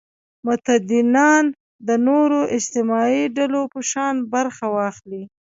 متدینان د نورو اجتماعي ډلو په شان برخه واخلي.